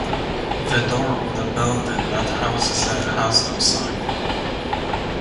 The door of the building that houses it has no sign.